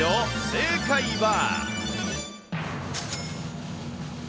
正解は。